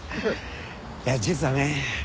いや実はね